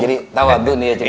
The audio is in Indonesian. jadi tahu abduh nih ya cerita